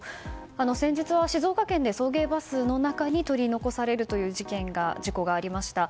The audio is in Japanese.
先日は静岡県で送迎バスの中に取り残されるという事故がありました。